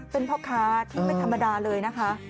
เป็นพ่อค้าที่ไม่ธรรมดาเลยนะคะ